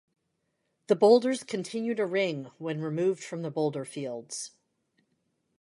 The boulders continue to ring when removed from the boulder fields.